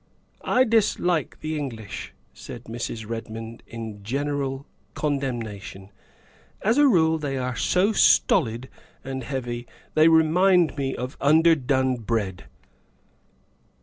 ' I dislike the English," said Mrs. Redmond in gen eral condemnation; " as a rule they are so stolid and heavy ; they remind me of underdone bread.